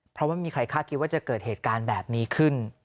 เพราะไม่มีใครคาดคิดว่าจะเกิดเหตุการณ์แบบนี้ขึ้น